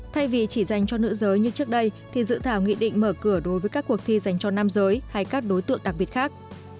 thay vì chỉ dành cho nữ giới như trước đây thì dự thảo nghị định mở cửa đối với các cuộc thi dành cho nam giới hay các đối tượng đặc biệt khác